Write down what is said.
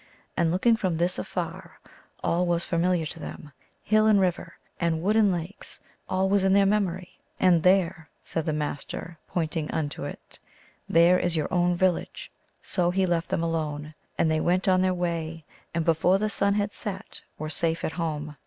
And looking from this afar, all was familiar to them hill and river, and wood and lakes ; all was in their memory. " And there," said the Master, pointing unto it, " there is your own village !" So he left them alone, and they went on their way, and before the sun had set were safe at home.